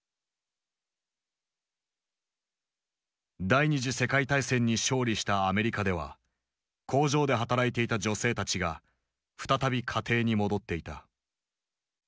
第二次世界大戦に勝利したアメリカでは工場で働いていた女性たちが再び家庭に戻っていた。